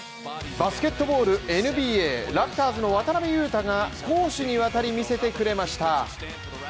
バスケットボールＮＢＡラプターズの渡邊雄太が攻守にわたり見せてくれました